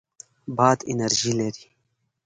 باد انرژي لري.